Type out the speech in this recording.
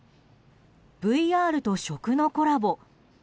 ＶＲと食のコラボ。